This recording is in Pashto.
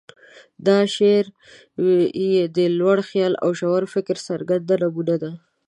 دا شعر یې د لوړ خیال او ژور فکر څرګنده نمونه ده.